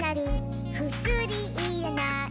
「くすりいらない」